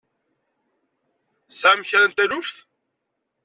Tesɛam kra n taluft?